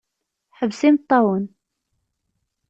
Ḥbes imeṭṭawen!